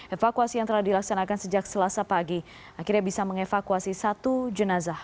evakuasi yang telah dilaksanakan sejak selasa pagi akhirnya bisa mengevakuasi satu jenazah